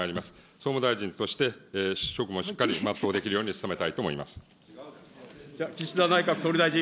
総務大臣として職務をしっかり全うできるように努めたいと思いま岸田内閣総理大臣。